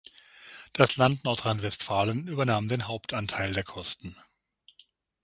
Das Land Nordrhein-Westfalen übernahm den Hauptanteil der Kosten.